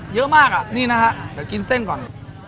เยอะมากอ่ะนี่นะฮะเดี๋ยวกินเส้นก่อน